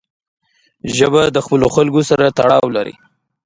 ژبه د خپلو خلکو سره تړاو لري